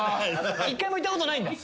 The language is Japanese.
１回も行ったことないんだ？